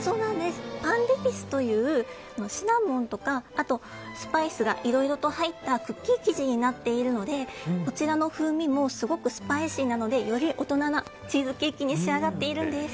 パンデピスというシナモンとかあと、スパイスがいろいろと入ったクッキー生地になっているのでこちらの風味もすごくスパイシーなのでより大人なチーズケーキに仕上がっているんです。